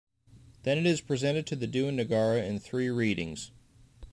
Then it is presented to the Dewan Negara in three readings.